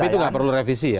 tapi itu nggak perlu revisi ya